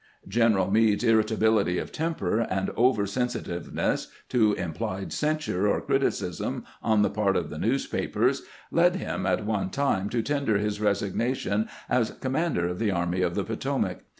General Meade's irritability of temper, and over sen sitiveness to implied censure or criticism on the part of the newspapers, led him at one time to tender his resig nation as commander of the Army of the Potomac.